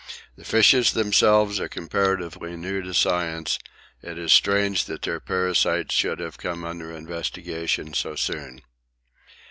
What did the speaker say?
The fishes themselves are comparatively new to science; it is strange that their parasites should have been under investigation so soon.